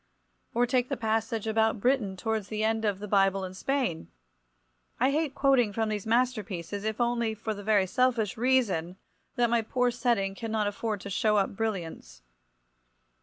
Or take the passage about Britain towards the end of "The Bible in Spain." I hate quoting from these masterpieces, if only for the very selfish reason that my poor setting cannot afford to show up brilliants.